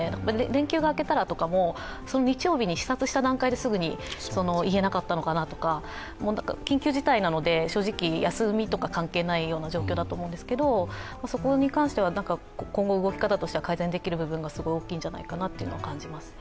連休が明けたらとかも、日曜日に視察した段階ですぐいえなかったのかなとか緊急事態なので、正直休みとか関係ないような状況だと思うんですけど、そこに関しては今後、動き方としては改善できる部分がすごい大きいんじゃないかなと感じます。